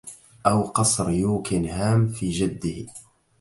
أو قصر يوكنهامَ في جده